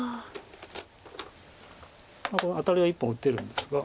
このアタリは１本打てるんですが。